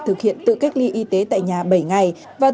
thực hiện tự cách ly y tế tại nhà bảy ngày và